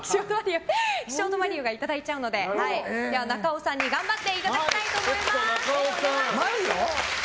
岸本マリオがいただいちゃうので中尾さんに頑張っていただきたいと思います。